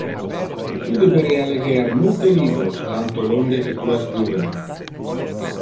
Tu deberea leger multe libros tanto longe que tu es juvene.